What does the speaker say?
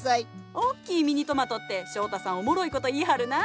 「大きいミニトマト」って翔太さんおもろい事言いはるなぁ。